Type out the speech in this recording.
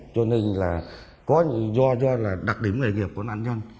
cho nên là có do là đặc điểm nghề nghiệp của nạn nhân